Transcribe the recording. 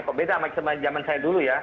kok beda sama zaman saya dulu ya